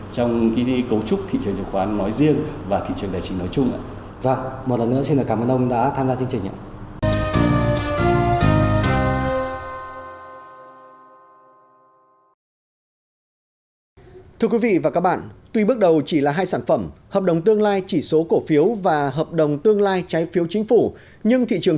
trong cấu trúc thị trường chứng khoán nói riêng và thị trường đại trình nói chung